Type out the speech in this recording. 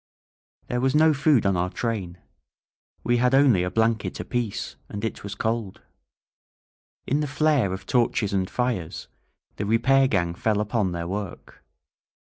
There was no food on our train. We had only a blanket apiece ; and it was cold. In the flare of torches and fires, the repair gang fell upon their work.